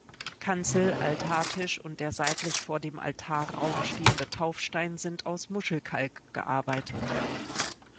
Kanzel, Altartisch und der seitlich vor dem Altarraum stehende Taufstein sind aus Muschelkalk gearbeitet.